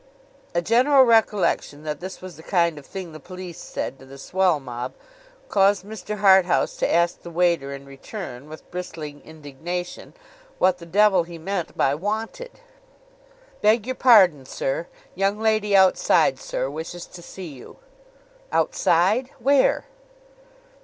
A general recollection that this was the kind of thing the Police said to the swell mob, caused Mr. Harthouse to ask the waiter in return, with bristling indignation, what the Devil he meant by 'wanted'? 'Beg your pardon, sir. Young lady outside, sir, wishes to see you.' 'Outside? Where?